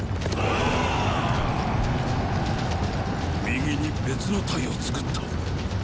右に別の隊を作った。